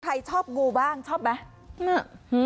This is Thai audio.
ใครชอบงูบ้างชอบไหม